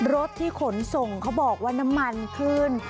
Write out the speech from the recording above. รถที่ขนส่งเขาบอกว่าน้ำมันขึ้น